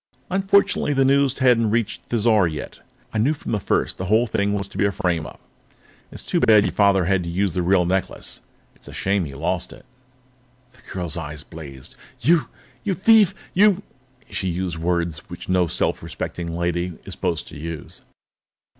Unfortunately, the news hadn't reached Thizar yet. I knew from the first that the whole thing was to be a frame up. It's too bad that your father had to use the real necklace it's a shame he lost it." The girl's eyes blazed. "You you thief! You " She used words which no self respecting lady is supposed to use.